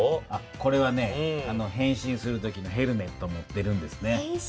これはね変身する時のヘルメット持ってるんですね。